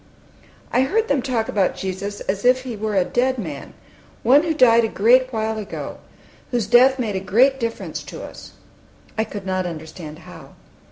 I heard them talk about Jesus as if He were a dead man, one who died a great while ago, whose death made a great difference to us, I could not understand how.